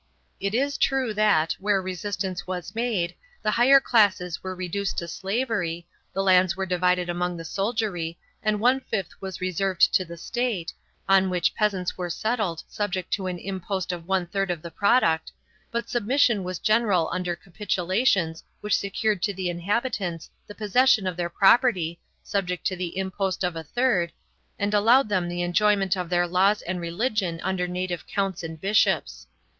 It is true that, where resistance was made, the higher classes were reduced to slavery, the lands were divided among the soldiery and one fifth was reserved to the State, on which peasants were settled subject to an impost of one third of the product, but submission was general under capitulations which secured to the inhabitants the possession of their property, subject to the impost of a third, and allowed them the enjoyment of their laws and religion under native counts and bishops.